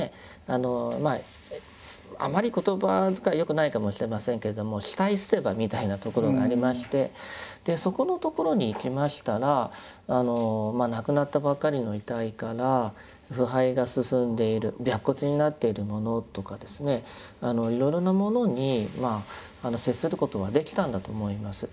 あまり言葉遣いはよくないかもしれませんけれども死体捨て場みたいな所がありましてそこの所に行きましたら亡くなったばっかりの遺体から腐敗が進んでいる白骨になっているものとかですねいろいろなものに接することができたんだと思います。